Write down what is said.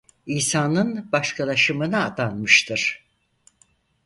İsa'nın Başkalaşımı'na adanmıştır.